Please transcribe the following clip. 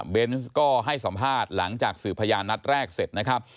เบนส์ก็ให้สัมภาษณ์หลังจากสืบพยานนัดแรกเสร็จนะครับ